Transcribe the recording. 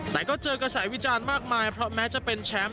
แต่ก็เจอกระแสวิจารณ์มากมายเพราะแม้จะเป็นแชมป์